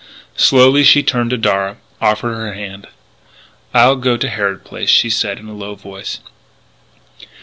Slowly she turned to Darragh, offered her hand: "I'll go to Harrod Place," she said in a low voice.